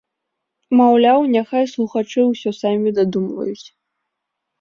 Маўляў, няхай слухачы ўсё самі дадумваюць.